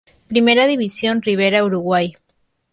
Primera Division Rivera Uruguay